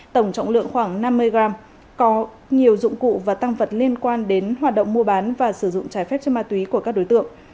tổng trọng lượng khoảng năm mươi g có nhiều dụng cụ và tăng vật liên quan đến hoạt động mua bán và sử dụng trái phép chất ma túy của các đối tượng